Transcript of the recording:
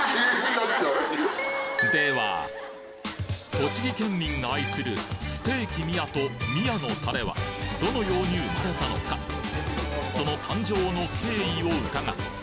栃木県民が愛する「ステーキ宮」と「宮のたれ」はどのように生まれたのかその誕生の経緯を伺った